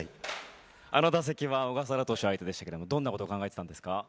あの打席は小笠原投手相手でしたがどんなことを考えていましたか？